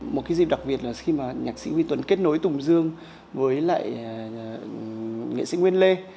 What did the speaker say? một cái dịp đặc biệt là khi mà nhạc sĩ huy tuấn kết nối tùng dương với lại nghệ sĩ nguyên lê